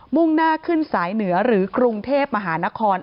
่งหน้าขึ้นสายเหนือหรือกรุงเทพมหานคร